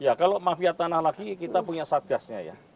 ya kalau mafia tanah lagi kita punya satgasnya ya